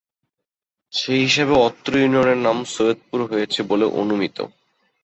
সে হিসাবে অত্র ইউনিয়নের নাম 'সৈয়দপুর' হয়েছে বলে অনুমিত।